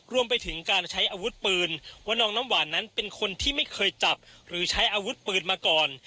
รวมไปถึงการใช้อาวุธปืนว่าน้องน้ำหวานนั้นเป็นคนที่ไม่เคยจับหรือใช้อาวุธปืนมาก่อน